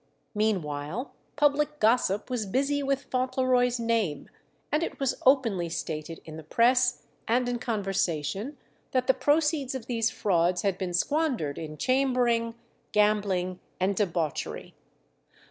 Meanwhile public gossip was busy with Fauntleroy's name, and it was openly stated in the press and in conversation that the proceeds of these frauds had been squandered in chambering, gambling, and debauchery.